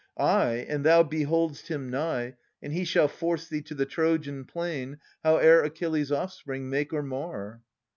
Ay, and thou behold'st him nigh, And he shall force thee to the Trojan plain, Howe'er Achilles' offspring make or mar.